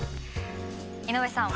井上さん